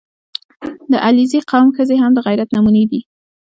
• د علیزي قوم ښځې هم د غیرت نمونې دي.